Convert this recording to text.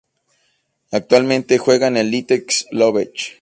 Actualmente juega en el Litex Lovech.